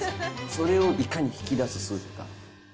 それをいかに引き出すスープか。